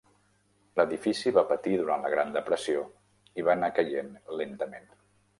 L'edifici va patir durant la Gran Depressió i va anar caient lentament.